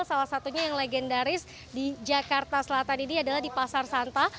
salah satunya yang legendaris di jakarta selatan ini adalah di pasar santa